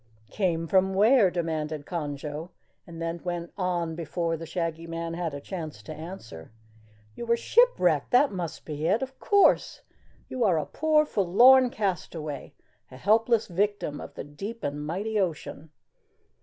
"Came from where?" demanded Conjo, and then went on before the Shaggy Man had a chance to answer: "You were shipwrecked that must be it, of course you are a poor, forlorn castaway a helpless victim of the deep and mighty ocean."